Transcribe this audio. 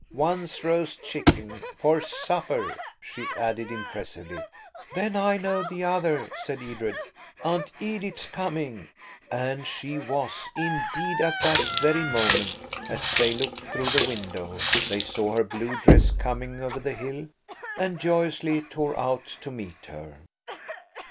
One's roast chicken. For supper," she added impressively. "Then I know the other," said Edred. "Aunt Edith's coming." And she was–indeed, at that very moment, as they looked through the window, they saw her blue dress coming over the hill, and joyously tore out to meet her.